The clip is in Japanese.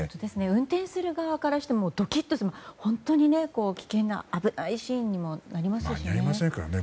運転する側からしてもドキッとする本当に危険な危ないシーンにもなりますからね。